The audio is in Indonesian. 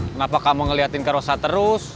kenapa kamu ngeliatin karosa terus